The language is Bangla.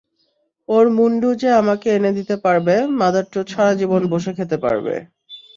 ওর মুণ্ডু যে আমাকে এনে দিতে পারবে মাদারচোদ সারাজীবন বসে খেতে পারবে!